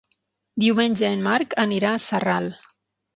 Diumenge en Marc anirà a Sarral.